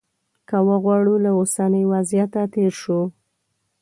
که وغواړو له اوسني وضعیته تېر شو.